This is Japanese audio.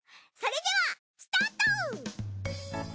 それではスタート！